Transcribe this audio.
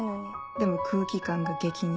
でも空気感が激似。